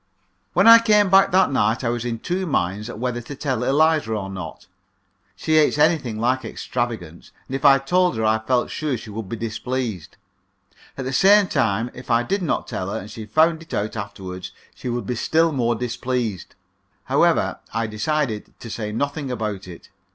When I came back that night I was in two minds whether to tell Eliza or not. She hates anything like extravagance, and if I told her I felt sure she would be displeased. At the same time, if I did not tell her, and she found it out afterward, she would be still more displeased. However, I decided to say nothing about it.